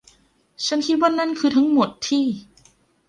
ฉันคิดว่านั่นคือทั้งหมดที่